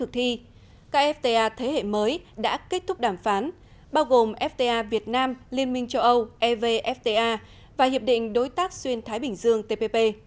các fta thế hệ mới đã kết thúc đàm phán bao gồm fta việt nam liên minh châu âu evfta và hiệp định đối tác xuyên thái bình dương tpp